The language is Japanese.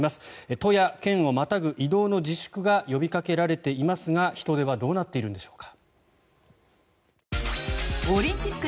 都や県をまたぐ移動の自粛が呼びかけられていますが人出はどうなっているんでしょうか。